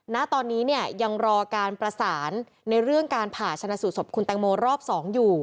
ณตอนนี้เนี่ยยังรอการประสานในเรื่องการผ่าชนะสูตรศพคุณแตงโมรอบ๒อยู่